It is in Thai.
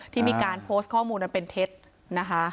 ที่มีการโพสต์ข้อมูลอันเป็นเท็จนะคะ